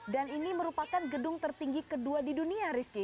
dan ini merupakan gedung tertinggi kedua di dunia rizky